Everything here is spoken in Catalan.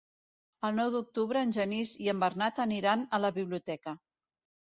El nou d'octubre en Genís i en Bernat aniran a la biblioteca.